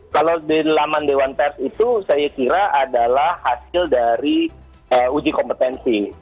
kalau di laman dewan pers itu saya kira adalah hasil dari uji kompetensi